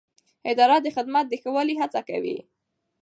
اداره د خدمت د ښه والي هڅه کوي.